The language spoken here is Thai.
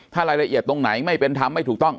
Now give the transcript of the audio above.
ถ้ารายละเอียดตรงไหนไม่เป็นธรรมไม่ถูกต้อง